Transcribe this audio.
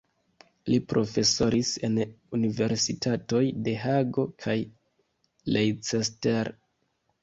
Li profesoris en universitatoj de Hago kaj Leicester.